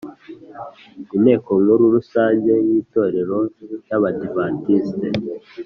inteko nkuru rusange yitorero yabadiventisite